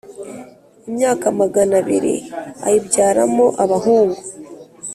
imyaka magana abiri ayibyaramo abahungu